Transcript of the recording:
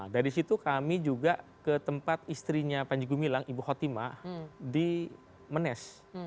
dari situ kami juga ke tempat istrinya panjegu milang ibu hotima di menes